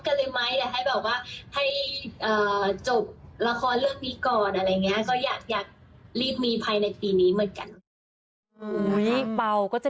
คือในละครเรื่องใหม่ก็เล่นคู่เล่นเป็นพี่น้องกับแม่ไมเติร์ด